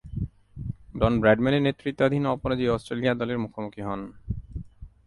ডন ব্র্যাডম্যানের নেতৃত্বাধীন অপরাজেয় অস্ট্রেলিয়া দলের মুখোমুখি হন।